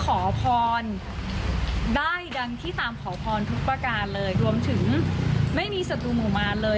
ขอพรได้ดังที่ตามขอพรทุกประการเลยรวมถึงไม่มีศัตรูหมู่มารเลย